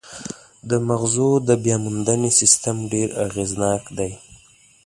د مغزو د بیاموندنې سیستم ډېر اغېزناک دی.